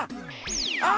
あ。